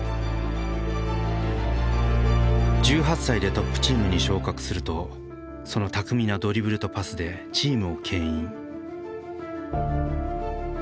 １８歳でトップチームに昇格するとその巧みなドリブルとパスでチームをけん引。